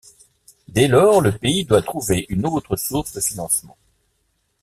Dès lors, le Pays doit trouver une autre source de financement.